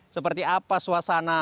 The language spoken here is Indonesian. seperti apa suasana